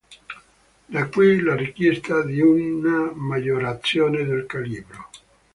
Da qui la richiesta di una maggiorazione del calibro.